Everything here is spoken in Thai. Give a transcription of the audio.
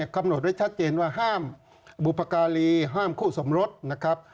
กำหนดไว้ชัดเจนว่าห้ามบุพการีห้ามคู่สมรสนะครับ